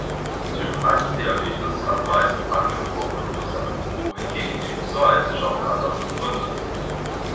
Typ-eins-Diabetes hat meist angeborene Ursachen, wohingegen Typ zwei sich oft anders begründet.